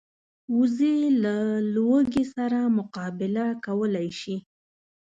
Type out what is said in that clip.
وزې له لوږې سره مقابله کولی شي